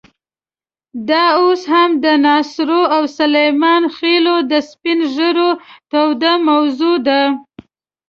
دا اوس هم د ناصرو او سلیمان خېلو د سپین ږیرو توده موضوع ده.